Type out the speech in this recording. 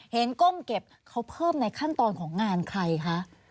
ก้มเก็บเขาเพิ่มในขั้นตอนของงานใครคะ